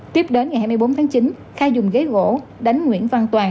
tiếp đến ngày hai mươi bốn tháng chín khai dùng ghế gỗ đánh nguyễn văn toàn